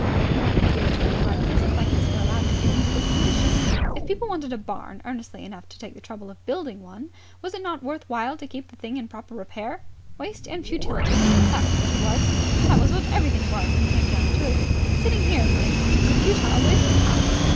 He wondered irritably why places like this were allowed to get into this condition. If people wanted a barn earnestly enough to take the trouble of building one, why was it not worth while to keep the thing in proper repair? Waste and futility! That was what it was. That was what everything was, if you came down to it. Sitting here, for instance, was a futile waste of time.